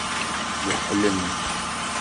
Weḥlen.